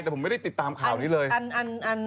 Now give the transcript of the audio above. แต่ผมไม่ได้ติดตามข่าวนี้เลย